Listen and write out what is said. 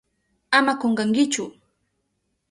Ama kunkankichu.